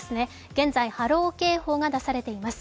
現在、波浪警報が出されています。